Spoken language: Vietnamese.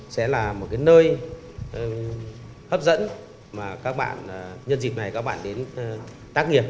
sẽ là một cái nơi hấp dẫn mà các bạn nhân dịp này các bạn đến tác nghiệp